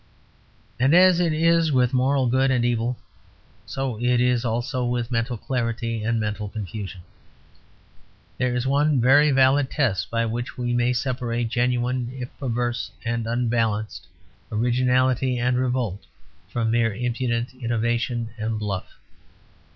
And as it is with moral good and evil, so it is also with mental clarity and mental confusion. There is one very valid test by which we may separate genuine, if perverse and unbalanced, originality and revolt from mere impudent innovation and bluff.